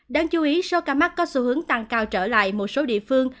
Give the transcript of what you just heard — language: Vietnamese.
đáng chú ý số ca mắc có xu hướng tăng cao trở lại một số địa phương